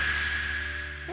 え？